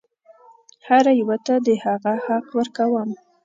هر یوه ته د هغه حق ورکوم.